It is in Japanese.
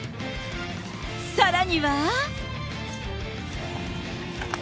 さらには。